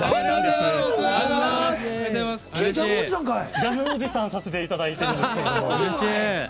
ＪＡＭおじさんさせていただいてるんですけど。